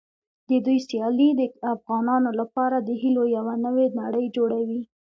د دوی سیالۍ د افغانانو لپاره د هیلو یوه نوې نړۍ جوړوي.